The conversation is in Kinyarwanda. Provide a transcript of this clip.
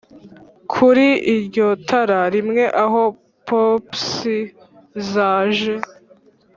kuri iryo tara rimwe aho poppies zaje.